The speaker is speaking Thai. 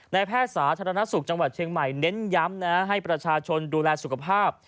แพทย์สาธารณสุขจังหวัดเชียงใหม่เน้นย้ำนะให้ประชาชนดูแลสุขภาพ